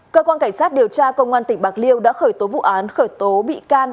cơ quan cảnh sát điều tra công an tỉnh bạc liêu đã khởi tố vụ án khởi tố bị can